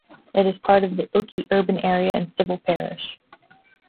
It is part of the Ilkley urban area and civil parish.